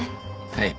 はい。